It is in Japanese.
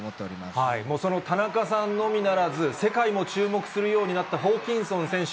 もう、その田中さんのみならず、世界も注目するようになったホーキンソン選手。